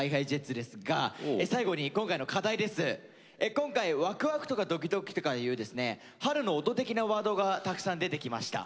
今回ワクワクとかドキドキとかいうですね春の音的なワードがたくさん出てきました。